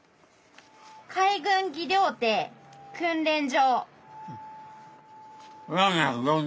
「海軍技療手訓練所」。